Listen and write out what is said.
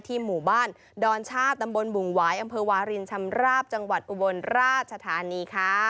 หมู่บ้านดอนชาติตำบลบุงหวายอำเภอวารินชำราบจังหวัดอุบลราชธานีค่ะ